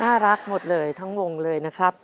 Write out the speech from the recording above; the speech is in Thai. น่ารักหมดเลยทั้งวงเลยนะครับ